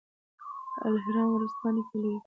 په الاهرام ورځپاڼه کې ولیکل.